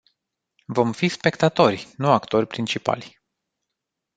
Vom fi spectatori, nu actori principali.